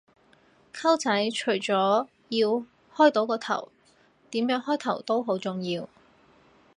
溝仔，除咗要開到個頭，點樣開頭都好重要